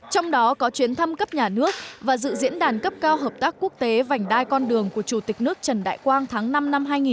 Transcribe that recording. trong đó có chuyến thăm cấp nhà nước và dự diễn đàn cấp cao hợp tác quốc tế vành đai con đường của chủ tịch nước trần đại quang tháng năm năm hai nghìn một mươi chín